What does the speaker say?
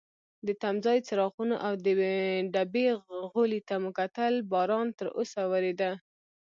د تمځای څراغونو او د ډبې غولي ته مو کتل، باران تراوسه وریده.